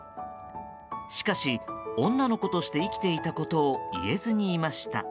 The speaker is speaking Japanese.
しかし、女の子として生きていたことを言えずにいました。